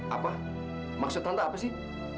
apa maksud anda apa sih